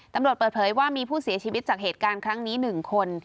ตำรวจเปิดเผยว่ามีผู้เสียชีวิตจากเหตุการณ์ครั้งนี้๑คน